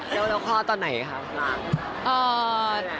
โอ้โหแล้วข้อตอนไหนค่ะร้าน